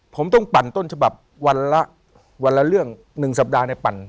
ผมต้องปั่นต้นฉบับวันละวันละเรื่อง๑สัปดาห์ในปั่น